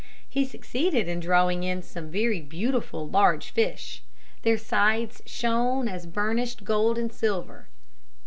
He succeeded in drawing in some very beautiful large fish. Their sides shone as burnished gold and silver.